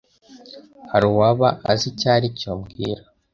Hari uwaba azi icyo aricyo mbwira